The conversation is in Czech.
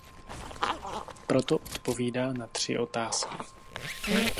Proto odpovídá na tři otázky.